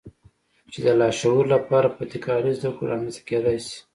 چې د لاشعور لپاره په تکراري زدهکړو رامنځته کېدای شي.